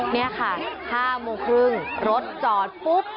นี่ค่ะ๕โมงครึ่งรถจอดปุ๊บ